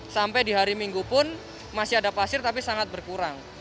sampai di hari minggu pun masih ada pasir tapi sangat berkurang